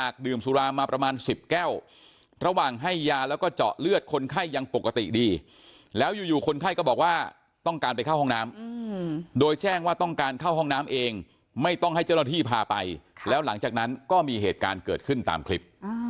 โดยแจ้งว่าต้องการเข้าห้องน้ำเองไม่ต้องให้เจ้าหน้าที่พาไปแล้วหลังจากนั้นก็มีเหตุการณ์เกิดขึ้นตามคลิป